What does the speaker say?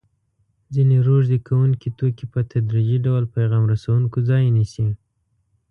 ځیني روږدي کوونکي توکي په تدریجي ډول پیغام رسوونکو ځای نیسي.